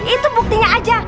itu buktinya aja